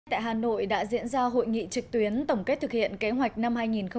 tại hà nội đã diễn ra hội nghị trực tuyến tổng kết thực hiện kế hoạch năm hai nghìn một mươi chín